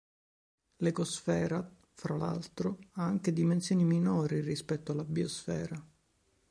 L’"ecosfera", fra l'altro, ha anche "dimensioni" minori rispetto alla "biosfera".